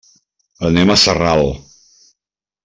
Anem a Sarral.